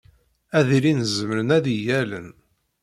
Ad ilin zemren ad iyi-allen.